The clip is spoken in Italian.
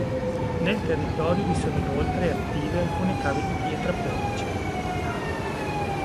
Nel territorio vi sono inoltre attive alcune cave di pietra pomice.